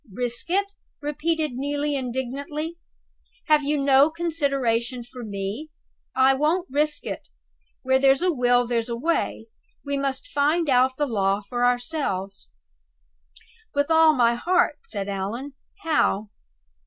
"Risk it?" repeated Neelie, indignantly. "Have you no consideration for me? I won't risk it! Where there's a will, there's a way. We must find out the law for ourselves." "With all my heart," said Allan. "How?"